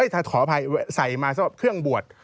ถ้าขออภัยใส่มาสำหรับเครื่องบวช